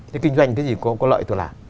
thì kinh doanh cái gì có lợi tôi làm